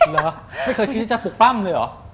ไม่เคยคิดที่จะปลุกปั้มเลยหรอ